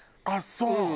あっそう！